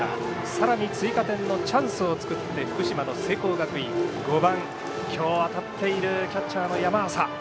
さらに追加点のチャンスを作って福島の聖光学院、５番今日当たっているキャッチャーの山浅。